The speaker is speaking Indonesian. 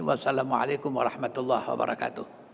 wassalamu'alaikum warahmatullah wabarakatuh